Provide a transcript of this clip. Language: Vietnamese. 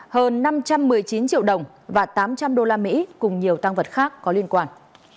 hơn năm trăm một mươi chín triệu đồng và tám trăm linh đô la mỹ cùng nhiều tăng vật khác có liên quan